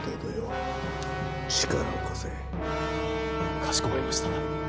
かしこまりました。